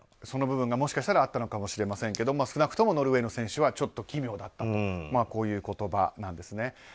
その部分がもしかしたらあったのかもしれませんが少なくともノルウェーの選手はちょっと奇妙だったとこういう言葉だったんです。